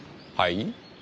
はい？